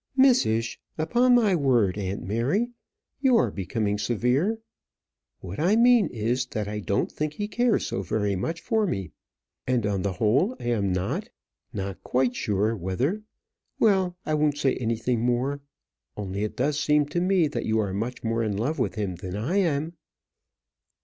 "Missish! Upon my word, aunt Mary, you are becoming severe. What I mean is, that I don't think he cares so very much for me; and on the whole, I am not not quite sure, whether well, I won't say anything more; only it does seem to me that you are much more in love with him than I am."